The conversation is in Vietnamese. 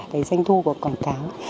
cái doanh thu của cộng đồng